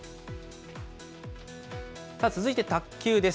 続いて卓球です。